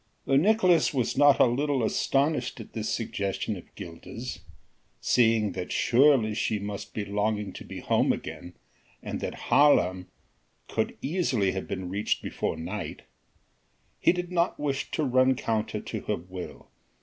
Though Nicolaes was not a little astonished at this suggestion of Gilda's seeing that surely she must be longing to be home again and that Haarlem could easily have been reached before night he did not wish to run counter to her will.